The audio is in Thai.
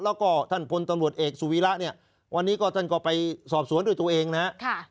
แล้วก็ท่านพลตำรวจเอกสุวีระเนี่ยวันนี้ก็ท่านก็ไปสอบสวนด้วยตัวเองนะครับ